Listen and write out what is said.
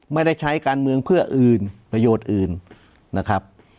ไม่ได้ใช้การเมืองเพื่ออื่นประโยชน์อื่นนะครับ